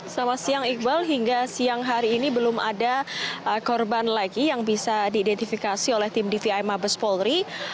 selamat siang iqbal hingga siang hari ini belum ada korban lagi yang bisa diidentifikasi oleh tim dvi mabes polri